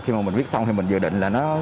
khi mà mình viết xong thì mình dự định là nó